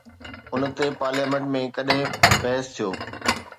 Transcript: ان تي پارليامينٽ ۾ ڪڏهن بحث ٿيو؟